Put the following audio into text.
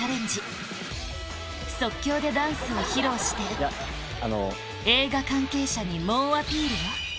即興でダンスを披露して映画関係者に猛アピールよ！